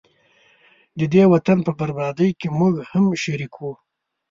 ددې وطن په بربادۍ کي موږه هم شریک وو